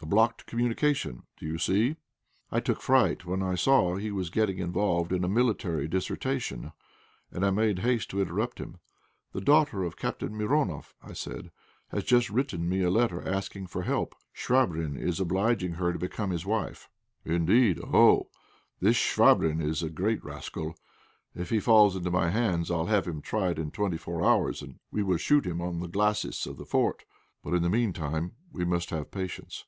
A blocked communication, do you see?" I took fright when I saw he was getting involved in a military dissertation, and I made haste to interrupt him. "The daughter of Captain Mironoff," I said, "has just written me a letter asking for help. Chvabrine is obliging her to become his wife." "Indeed! Oh! this Chvabrine is a great rascal. If he falls into my hands I'll have him tried in twenty four hours, and we will shoot him on the glacis of the fort. But in the meantime we must have patience."